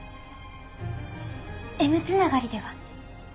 Ｍつながりでは？